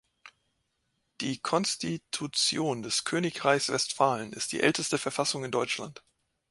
Die Constitution des Königreichs Westphalen ist die älteste Verfassung in Deutschland.